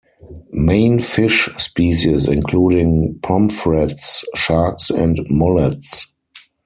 Main fish species including pomfrets, sharks and mullets.